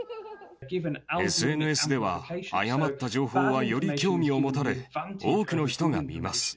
ＳＮＳでは、誤った情報はより興味を持たれ、多くの人が見ます。